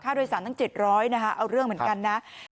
ค่าโดยสารทั้ง๗๐๐เอาเรื่องเหมือนกันนะ